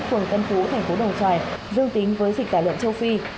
phường tân phú tp đồng xoài dương tính với dịch tả lợn châu phi